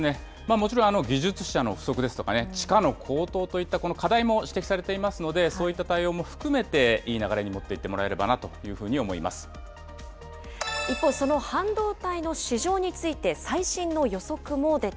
もちろん技術者の不足ですとか、地価の高騰といった課題も指摘されていますので、そういった対応も含めて、いい流れに持っていってもらえればなと一方、その半導体の市場につ